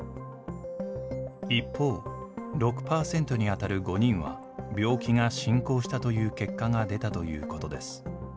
一方、６％に当たる５人は、病気が進行したという結果が出たということです。